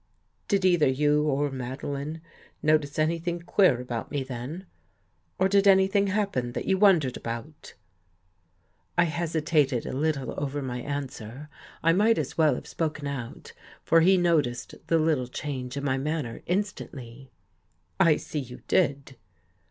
"" Did either you or Madeline notice anything queer about me then or did anything happen that you wondered about? " I hesitated a little over my answer. I might as well have spoken out, for he noticed the little change in my manner instantly. " I see you did."